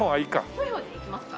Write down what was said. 濃い方でいきますか？